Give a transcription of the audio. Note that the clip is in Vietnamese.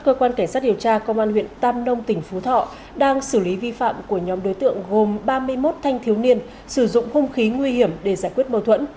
cơ quan cảnh sát điều tra công an huyện tam nông tỉnh phú thọ đang xử lý vi phạm của nhóm đối tượng gồm ba mươi một thanh thiếu niên sử dụng hung khí nguy hiểm để giải quyết mâu thuẫn